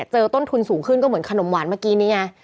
ต้นทุนสูงขึ้นก็เหมือนขนมหวานเมื่อกี้นี้ไง